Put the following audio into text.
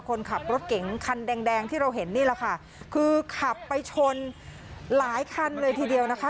คนขับรถเก๋งคันแดงแดงที่เราเห็นนี่แหละค่ะคือขับไปชนหลายคันเลยทีเดียวนะคะ